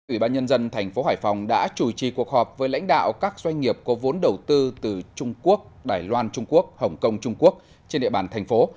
ủy ban nhân dân thành phố hải phòng đã chủ trì cuộc họp với lãnh đạo các doanh nghiệp có vốn đầu tư từ trung quốc đài loan trung quốc hồng kông trung quốc trên địa bàn thành phố